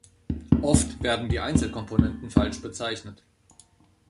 Oft werden die Einzelkomponenten falsch bezeichnet.